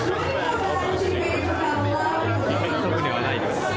特にはないです。